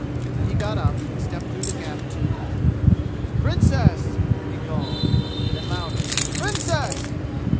Then he got up and stepped through the gap, too. "Princess!" he called. Then louder, "Princess!"